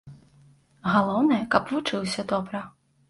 Галоўнае, каб вучыўся добра.